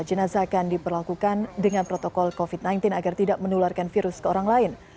jenazah akan diperlakukan dengan protokol covid sembilan belas agar tidak menularkan virus ke orang lain